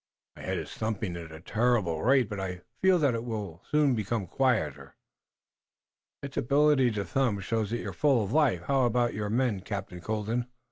"My head is thumping at a terrible rate, but I feel that it will soon become quieter." "Its ability to thump shows that you're full of life. How about your men, Captain Colden?"